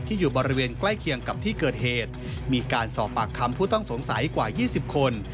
อยู่บริเวณใกล้เคียงกับที่เกิดเหตุมีการสอบปากคำผู้ต้องสงสัยกว่า๒๐คน